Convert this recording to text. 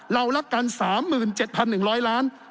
เรารักกัน๓๗๑๐๐ล้าน